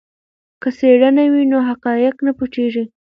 که څېړنه وي نو حقایق نه پټیږي.